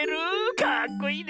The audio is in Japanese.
かっこいいね！